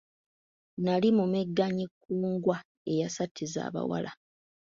Nali mumegganyi kkungwa eyasattiza abawala.